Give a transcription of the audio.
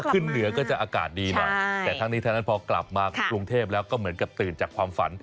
ขึ้นเหนือก็จะอากาศดีหน่อยแต่ทั้งนี้ทั้งนั้นพอกลับมากรุงเทพแล้วก็เหมือนกับตื่นจากความฝัน